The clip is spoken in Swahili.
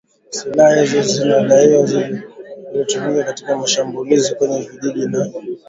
Silaha hizo zinadaiwa zilitumika katika mashambulizi kwenye vijiji na